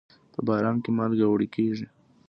په باران کې مالګه وړي کېږي.